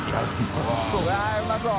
いうまそう。